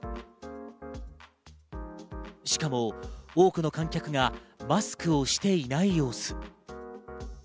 しかも多くの観客がマスクをしていない様子。